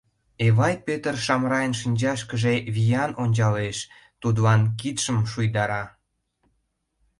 Эвай Пӧтыр Шамрайын шинчашкыже виян ончалеш, тудлан кидшым шуйдара.